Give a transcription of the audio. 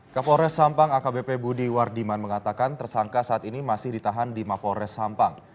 kapolres sampang akbp budi wardiman mengatakan tersangka saat ini masih ditahan di mapolres sampang